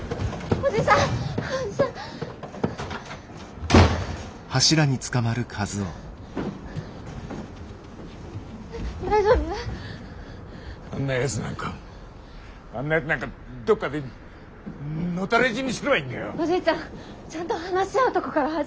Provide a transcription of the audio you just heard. おじいちゃんちゃんと話し合うとこから始めないと。